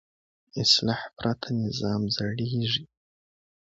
اصلاح پرته نظام زړېږي